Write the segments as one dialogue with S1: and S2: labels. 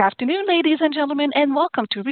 S1: Good afternoon, ladies and gentlemen, and welcome to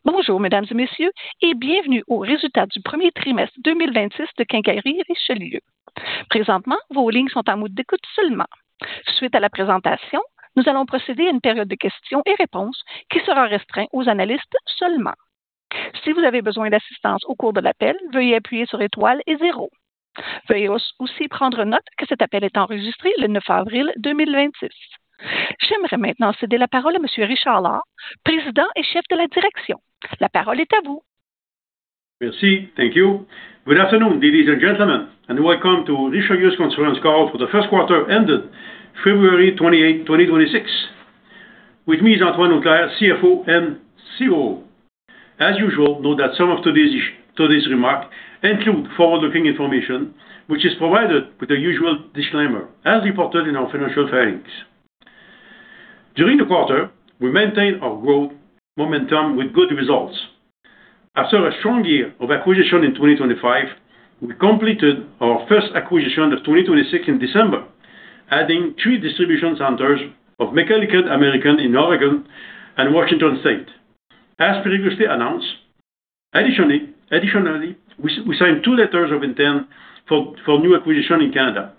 S1: Richelieu's conference call for the first quarter ended February 28, 2026. With me is Antoine Auclair, CFO and COO. As usual, note that some of today's remarks include forward-looking information, which is provided with the usual disclaimer as reported in our financial filings. During the quarter, we maintained our growth momentum with good results. After a strong year of acquisitions in 2025, we completed our first acquisition of 2026 in December, adding three distribution centers of McKillican American in Oregon and Washington State, as previously announced. Additionally, we signed two letters of intent for new acquisitions in Canada.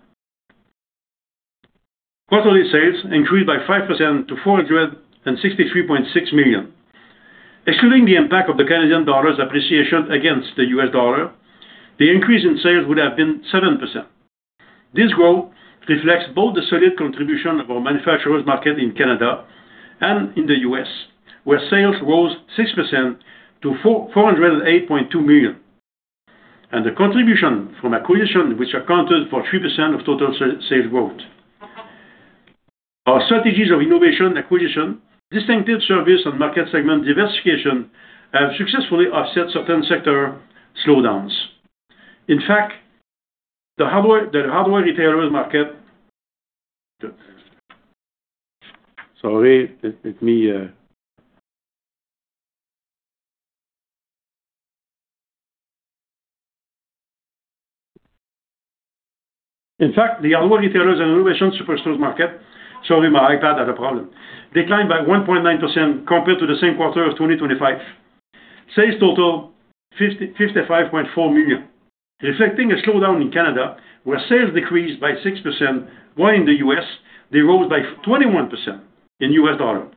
S1: Quarterly sales increased by 5% to 463.6 million. Excluding the impact of the Canadian dollar's appreciation against the U.S. dollar, the increase in sales would have been 7%. This growth reflects both the solid contribution of our manufacturers market in Canada and in the U.S., where sales rose 6% to 408.2 million, and the contribution from acquisitions which accounted for 3% of total sales growth. Our strategies of innovation, acquisition, distinctive service, and market segment diversification have successfully offset certain sector slowdowns. In fact, the hardware retailers and renovation superstores market declined by 1.9% compared to the same quarter of 2025. Sales total 55.4 million, reflecting a slowdown in Canada, where sales decreased by 6%, while in the U.S. they rose by 21% in U.S. dollar.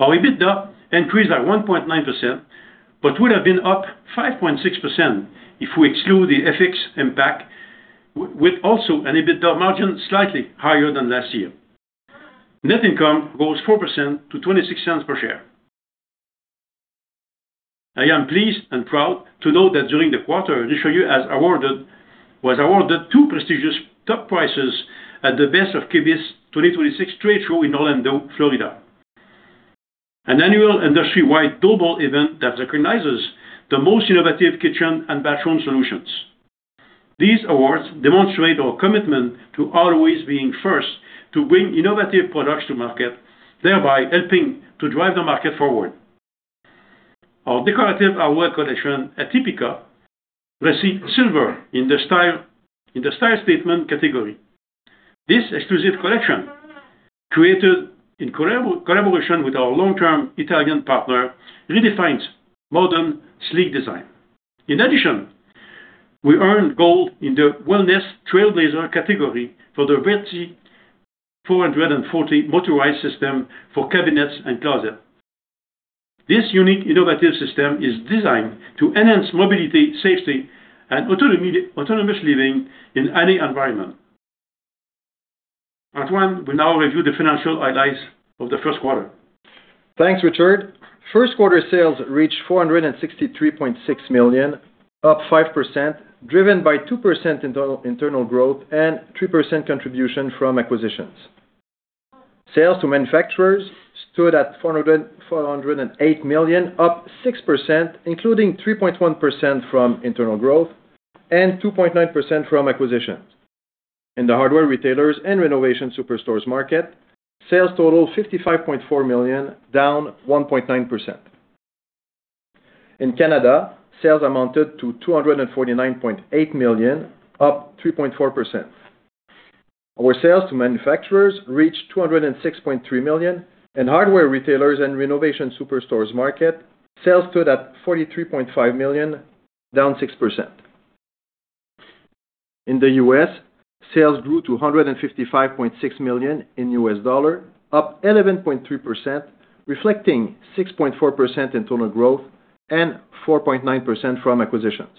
S1: Our EBITDA increased by 1.9%, but would have been up 5.6% if we exclude the FX impact, with also an EBITDA margin slightly higher than last year. Net income rose 4% to 0.26 per share. I am pleased and proud to note that during the quarter, Richelieu was awarded two prestigious top prizes at the Best of KBIS 2026 trade show in Orlando, Florida, an annual industry-wide global event that recognizes the most innovative kitchen and bathroom solutions. These awards demonstrate our commitment to always being first to bring innovative products to market, thereby helping to drive the market forward. Our decorative hardware collection, ATIPICA, received silver in the style statement category. This exclusive collection, created in collaboration with our long-term Italian partner, redefines modern, sleek design. In addition, we earned gold in the wellness trailblazer category for the VERTI 440 motorized system for cabinets and closet. This unique innovative system is designed to enhance mobility, safety, and autonomous living in any environment. Antoine will now review the financial highlights of the first quarter.
S2: Thanks, Richard. First quarter sales reached 463.6 million, up 5%, driven by 2% internal growth and 3% contribution from acquisitions. Sales to manufacturers stood at 408 million, up 6%, including 3.1% from internal growth and 2.9% from acquisitions. In the hardware retailers and renovation superstores market, sales total 55.4 million, down 1.9%. In Canada, sales amounted to 249.8 million, up 3.4%. Our sales to manufacturers reached 206.3 million, and hardware retailers and renovation superstores market, sales stood at 43.5 million, down 6%. In the U.S., sales grew to $155.6 million in U.S. dollar, up 11.3%, reflecting 6.4% internal growth and 4.9% from acquisitions.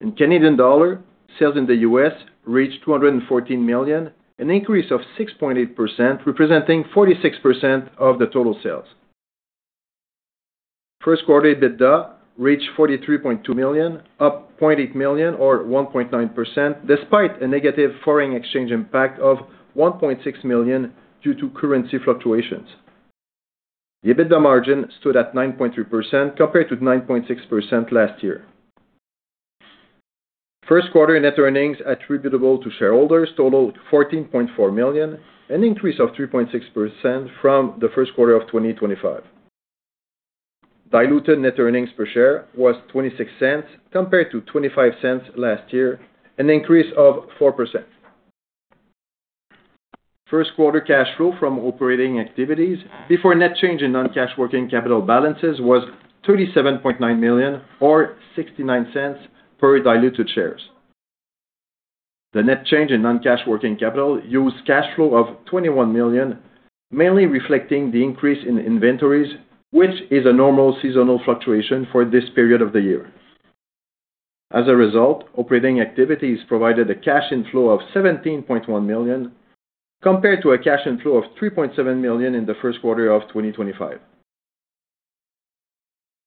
S2: In Canadian dollar, sales in the U.S. reached 214 million, an increase of 6.8%, representing 46% of the total sales. First quarter EBITDA reached 43.2 million, up 0.8 million or 1.9%, despite a negative foreign exchange impact of 1.6 million due to currency fluctuations. The EBITDA margin stood at 9.3% compared to 9.6% last year. First quarter net earnings attributable to shareholders totaled 14.4 million, an increase of 3.6% from the first quarter of 2025. Diluted net earnings per share was 0.26 compared to 0.25 last year, an increase of 4%. First quarter cash flow from operating activities before net change in non-cash working capital balances was 37.9 million, or 0.69 per diluted shares. The net change in non-cash working capital used cash flow of 21 million, mainly reflecting the increase in inventories, which is a normal seasonal fluctuation for this period of the year. As a result, operating activities provided a cash inflow of 17.1 million, compared to a cash inflow of 3.7 million in the first quarter of 2025.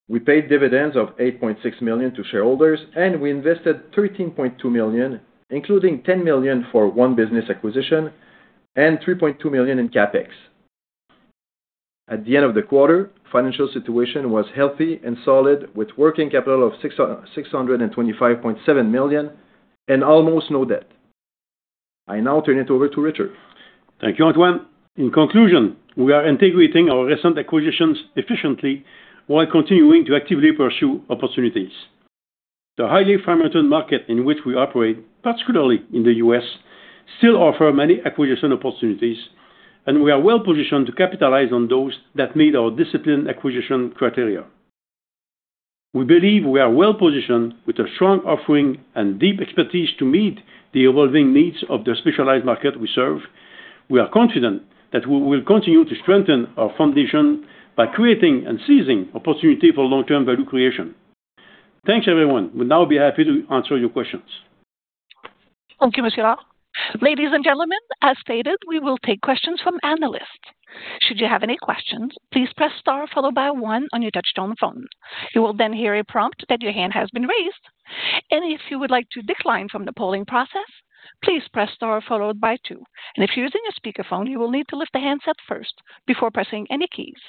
S2: We paid dividends of 8.6 million to shareholders, and we invested 13.2 million, including 10 million for one business acquisition and 3.2 million in CapEx. At the end of the quarter, financial situation was healthy and solid with working capital of 625.7 million and almost no debt. I now turn it over to Richard.
S1: Thank you, Antoine. In conclusion, we are integrating our recent acquisitions efficiently while continuing to actively pursue opportunities. The highly fragmented market in which we operate, particularly in the U.S., still offers many acquisition opportunities, and we are well-positioned to capitalize on those that meet our disciplined acquisition criteria. We believe we are well-positioned with a strong offering and deep expertise to meet the evolving needs of the specialized market we serve. We are confident that we will continue to strengthen our foundation by creating and seizing opportunities for long-term value creation. Thanks, everyone. We'll now be happy to answer your questions.
S3: Thank you, monsieur. Ladies and gentlemen, as stated, we will take questions from analysts. Should you have any questions, please press star followed by one on your touch-tone phone. You will then hear a prompt that your hand has been raised. If you would like to decline from the polling process, please press star followed by two. If you're using a speakerphone, you will need to lift the handset first before pressing any keys.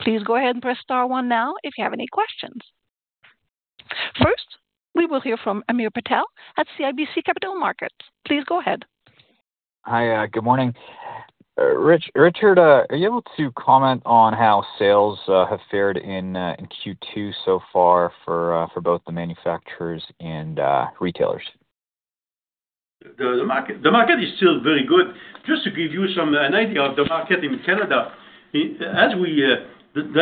S3: Please go ahead and press star one now if you have any questions. First, we will hear from Hamir Patel at CIBC Capital Markets. Please go ahead.
S4: Hi. Good morning. Richard, are you able to comment on how sales have fared in Q2 so far for both the manufacturers and retailers?
S1: The market is still very good. Just to give you some idea of the market in Canada, the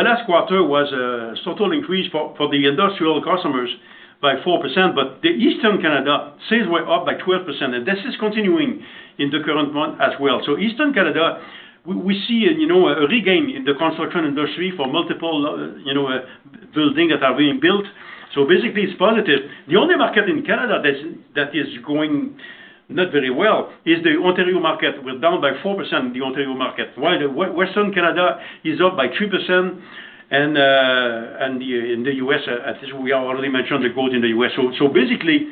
S1: last quarter was a total increase for the industrial customers by 4%, but the Eastern Canada sales were up by 12%, and this is continuing in the current month as well. Eastern Canada, we see a regain in the construction industry for multiple buildings that are being built. Basically, it's positive. The only market in Canada that is growing not very well is the Ontario market. We're down by 4%, the Ontario market, while the Western Canada is up by 3%. In the U.S., as we have already mentioned, the growth in the U.S. Basically,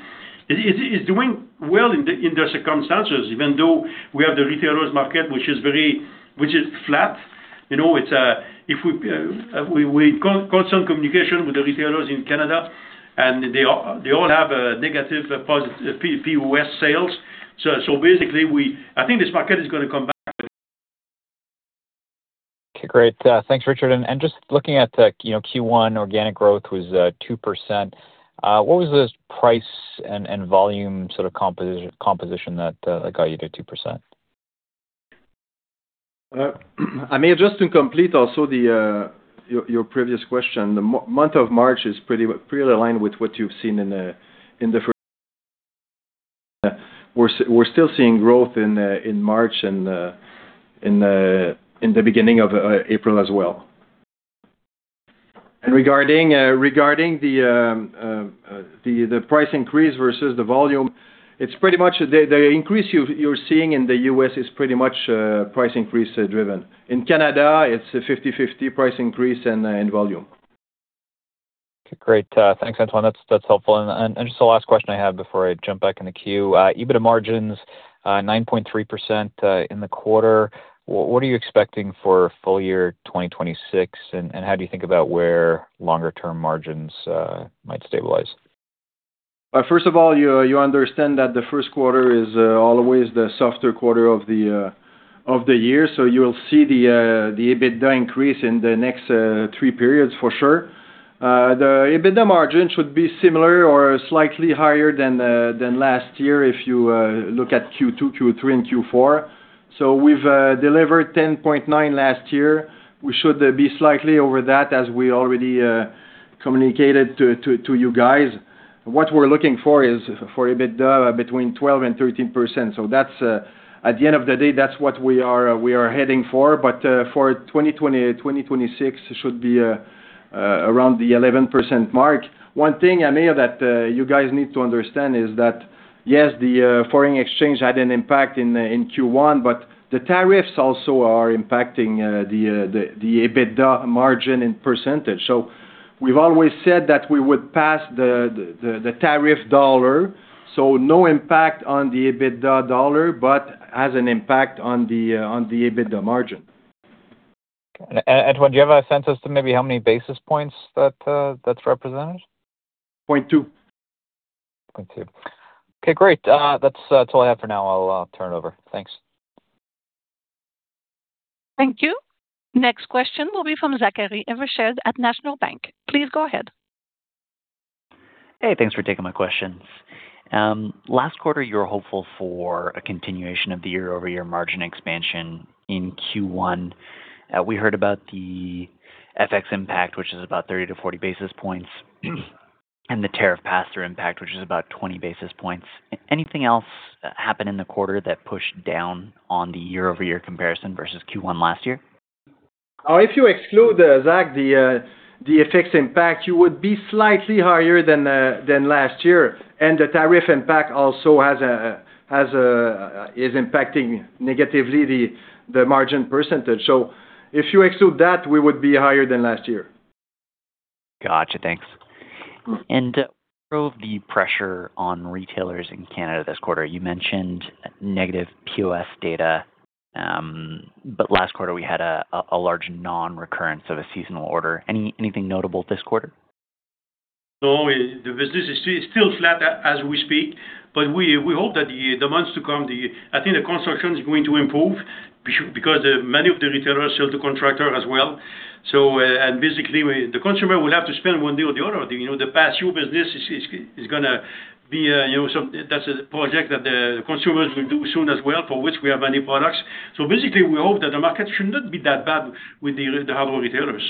S1: it's doing well in the circumstances, even though we have the retailers market, which is flat. We're in constant communication with the retailers in Canada, and they all have a negative POS sales. Basically, I think this market is going to come back.
S4: Okay, great. Thanks, Richard. Just looking at Q1, organic growth was 2%. What was the price and volume sort of composition that got you to 2%?
S2: Hamir, just to complete also your previous question, the month of March is pretty aligned with what you've seen in the first quarter. We're still seeing growth in March and the beginning of April as well. Regarding the price increase versus the volume, the increase you're seeing in the U.S. is pretty much price increase driven. In Canada, it's 50/50 price increase and volume.
S4: Okay, great. Thanks, Antoine. That's helpful. Just the last question I have before I jump back in the queue. EBITDA margins, 9.3% in the quarter. What are you expecting for full year 2026, and how do you think about where longer term margins might stabilize?
S2: First of all, you understand that the first quarter is always the softer quarter of the year. You will see the EBITDA increase in the next three periods for sure. The EBITDA margins should be similar or slightly higher than last year if you look at Q2, Q3, and Q4. We've delivered 10.9% last year. We should be slightly over that, as we already communicated to you guys. What we're looking for is for EBITDA between 12% and 13%. At the end of the day, that's what we are heading for. For 2026, it should be around the 11% mark. One thing, Hamir, that you guys need to understand is that, yes, the foreign exchange had an impact in Q1, but the tariffs also are impacting the EBITDA margin in percentage. We've always said that we would pass the tariff dollar, so no impact on the EBITDA dollar, but has an impact on the EBITDA margin.
S4: Okay. Antoine, do you have a sense as to maybe how many basis points that's represented?
S2: 0.2.
S4: Okay, great. That's all I have for now. I'll turn it over. Thanks.
S3: Thank you. Next question will be from Zachary Evershed at National Bank. Please go ahead.
S5: Hey, thanks for taking my questions. Last quarter, you were hopeful for a continuation of the year-over-year margin expansion in Q1. We heard about the FX impact, which is about 30-40 basis points, and the tariff pass-through impact, which is about 20 basis points. Anything else happen in the quarter that pushed down on the year-over-year comparison versus Q1 last year?
S2: If you exclude, Zach, the FX impact, you would be slightly higher than last year, and the tariff impact also is impacting negatively the margin percentage. If you exclude that, we would be higher than last year.
S5: Got you. Thanks. What drove the pressure on retailers in Canada this quarter? You mentioned negative POS data, but last quarter, we had a large non-recurrence of a seasonal order. Anything notable this quarter?
S1: No, the business is still flat as we speak, but we hope that the months to come, I think the construction is going to improve because many of the retailers sell to contractors as well. Basically, the consumer will have to spend one day or the other. The patio business, that's a project that the consumers will do soon as well, for which we have many products. Basically, we hope that the market should not be that bad with the hardware retailers.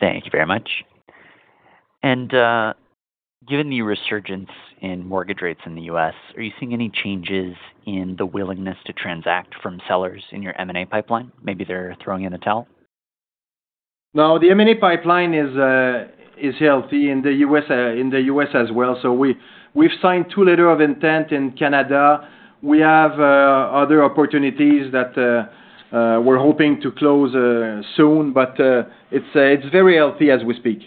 S5: Thank you very much. Given the resurgence in mortgage rates in the U.S., are you seeing any changes in the willingness to transact from sellers in your M&A pipeline? Maybe they're throwing in the towel.
S1: No, the M&A pipeline is healthy in the U.S. as well. We've signed two letter of intent in Canada. We have other opportunities that we're hoping to close soon, but it's very healthy as we speak.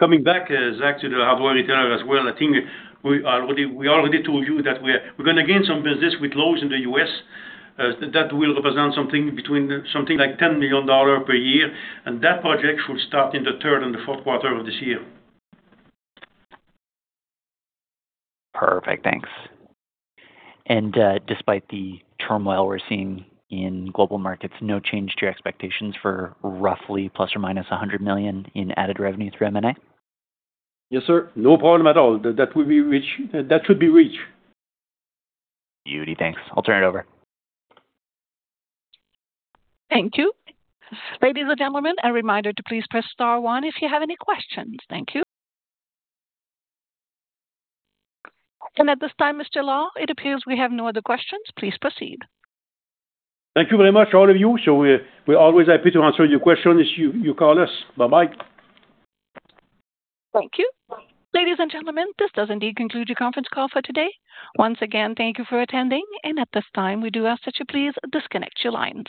S1: Coming back, Zach, to the hardware retailer as well, I think we already told you that we're gonna gain some business with Lowe's in the U.S. That will represent something like $10 million per year, and that project should start in the third and the fourth quarter of this year.
S5: Perfect. Thanks. Despite the turmoil we're seeing in global markets, no change to your expectations for roughly ± 100 million in added revenue through M&A?
S1: Yes, sir. No problem at all. That should be reached.
S5: Beauty. Thanks. I'll turn it over.
S3: Thank you. Ladies and gentlemen, a reminder to please press star one if you have any questions. Thank you. At this time, Mr. Lord, it appears we have no other questions. Please proceed.
S1: Thank you very much, all of you. We're always happy to answer your questions if you call us. Bye-bye.
S3: Thank you. Ladies and gentlemen, this does indeed conclude your conference call for today. Once again, thank you for attending, and at this time, we do ask that you please disconnect your lines.